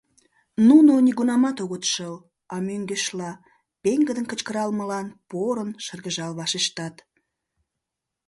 Нуно нигунамат огыт шыл, а, мӧҥгешла, пеҥгыдын кычкыралмылан порын шыргыжал вашештат.